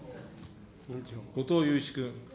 後藤祐一君。